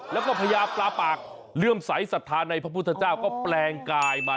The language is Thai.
แล้วก็พญาปลาปากเลื่อมใสสัทธาในพระพุทธเจ้าก็แปลงกายมา